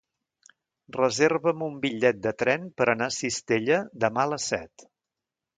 Reserva'm un bitllet de tren per anar a Cistella demà a les set.